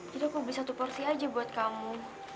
jadi aku beli satu porsi aja buat kamu